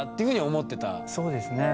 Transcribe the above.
そうですね。